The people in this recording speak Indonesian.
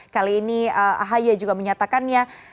kali ini ahy juga menyatakannya